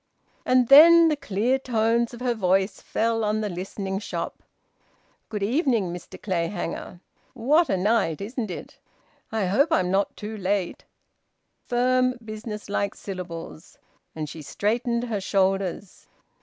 And then the clear tones of her voice fell on the listening shop: "Good evening, Mr Clayhanger. What a night, isn't it? I hope I'm not too late." Firm, business like syllables... And she straightened her shoulders.